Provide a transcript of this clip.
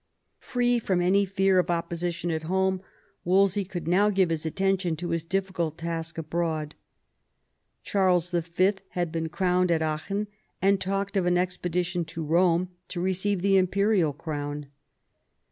Free from any fear of opposition at home, Wolsey could now give his attention to his difficult task abroad. Charles Y. had been crowned at Aachen, and talked of an expedition to Eome to receive the imperial crown.